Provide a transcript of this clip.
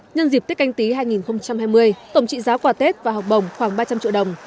nhân dịp tết canh tí hai nghìn hai mươi tổng trị giá quà tết và học bổng khoảng ba trăm linh triệu đồng